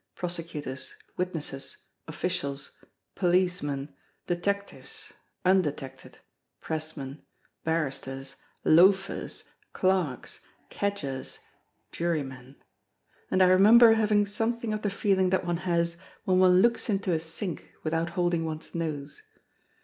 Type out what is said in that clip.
Prosecutors, witnesses, officials, policemen, detectives, undetected, pressmen, barristers, loafers, clerks, cadgers, jurymen. And I remember having something of the feeling that one has when one looks into a sink without holding one's nose.